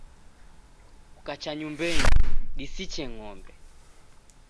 Kukacha nyumbenyi disiche ng'ombe.